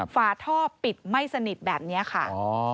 ฝาท่อปิดไม่สนิทแบบนี้ค่ะ